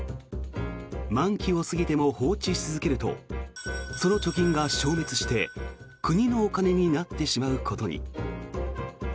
満期を過ぎても放置し続けるとその貯金が消滅して国のお金になってしまうことに。